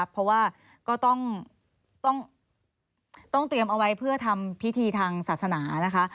เพราะว่าก็ต้องเตรียมเอาไว้เพื่อทำพิธีทางศาสนานะคะ